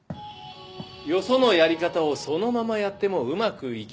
よそのやり方をそのままやってもうまくいきません。